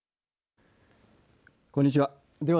こんにちは。